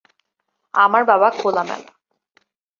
আমার বাবা খোলামেলা।